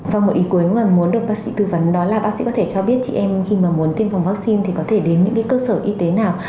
vâng một ý cuối mà muốn được bác sĩ tư vấn đó là bác sĩ có thể cho biết chị em khi mà muốn tiêm phòng vaccine thì có thể đến những cái cơ sở y tế nào